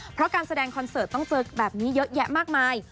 เพราะการแสดงคอนเสิร์ตต้องเจอแบบนี้เยอะแยะมากมาย